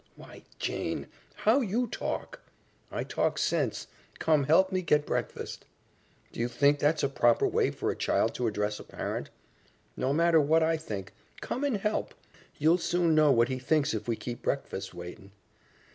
"Why, Jane! How YOU talk!" "I talk sense. Come, help me get breakfast." "Do you think that's a proper way for a child to address a parent?" "No matter what I think. Come and help. You'll soon know what he thinks if we keep breakfast waitin'."